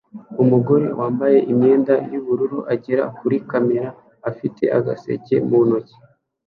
Umugore wambaye imyenda yubururu agera kuri kamera afite agaseke mu ntoki